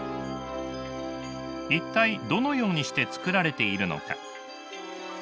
一体どのようにして作られているのか？